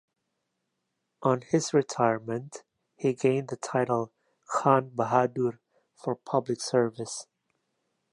On his retirement he gained the title Khan Bahadur for public service.